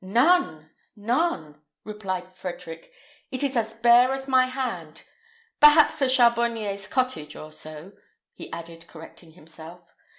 "None, none!" replied Frederick; "it is as bare as my hand: perhaps a charbonier's cottage or so," he added, correcting himself.